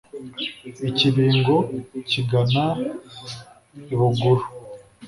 I Kibingo kigana I Buguru